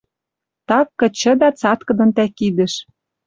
Так кычыда цаткыдын тӓ кидӹш